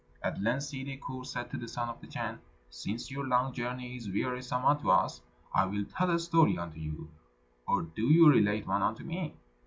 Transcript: At length Ssidi Kur said to the Son of the Chan, "Since our long journey is wearisome unto us, I will tell a story unto you, or do you relate one unto me."